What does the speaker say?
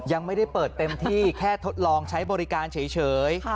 ยังไม่ได้เปิดเต็มที่แค่ทดลองใช้บริการเฉย